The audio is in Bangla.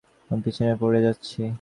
আমি পেছনে পড়ে যাচ্ছি!